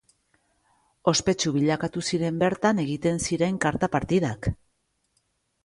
Ospetsu bilakatu ziren bertan egiten ziren karta partidak.